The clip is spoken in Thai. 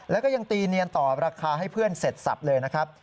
แล้วก็ยังตีเนียนต่อราคาให้เพื่อนเสร็จสับเลยนะครับ